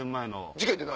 事件って何？